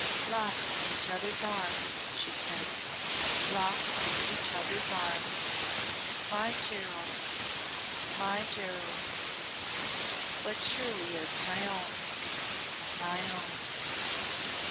"Locked in each other's arms," she said "locked in each other's arms. My Gerald! My Gerald! 'What surely is my own my own'!"